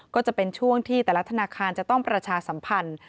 ก็จะเป็นช่วงที่แต่ละธนาคารจะต้องประชาสัมพันธ์